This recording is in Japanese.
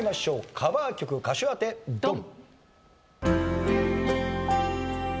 カバー曲歌手当てドン！